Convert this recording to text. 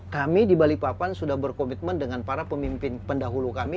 kami di balikpapan sudah berkomitmen dengan para pemimpin pendahulu kami